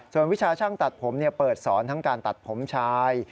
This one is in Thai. ส่วนวิชาช่างตัดผมเปิดสอนทั้งการตัดผมชาย